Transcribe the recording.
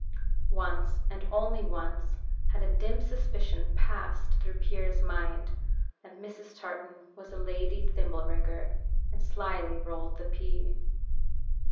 Once, and only once, had a dim suspicion passed through Pierre's mind, that Mrs. Tartan was a lady thimble rigger, and slyly rolled the pea.